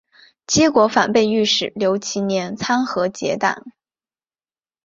结果反被御史刘其年参劾结党。